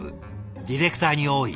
ディレクターに多い。